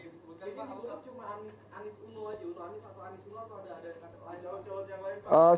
ada jawab jawab yang lain